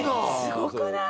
すごくない？